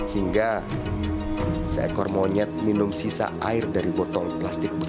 hingga seekor monyet minum sisa air dari botol plastik putih